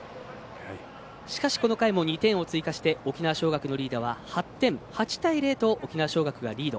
しかし、この回も２点を追加して沖縄尚学のリード８対０と沖縄尚学がリード。